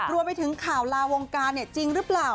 รวมไปถึงข่าวลาวงการจริงหรือเปล่า